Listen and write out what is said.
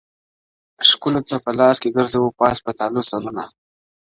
ښکلو ته لاس کې ګرځـــــــــوو پاس په تالـو ســــــرونه